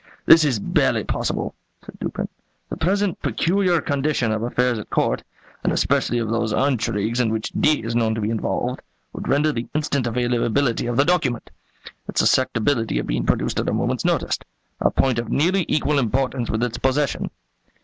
"This is barely possible," said Dupin. "The present peculiar condition of affairs at court, and especially of those intrigues in which D is known to be involved, would render the instant availability of the document, its susceptibility of being produced at a moment's notice, a point of nearly equal importance with its possession."